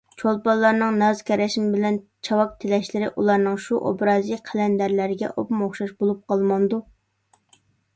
چولپانلارنىڭ ناز ـ كەرەشمە بىلەن چاۋاك تىلەشلىرى، ئۇلارنىڭ شۇ ئوبرازى قەلەندەرلەرگە ئوپمۇئوخشاش بولۇپ قالمامدۇ!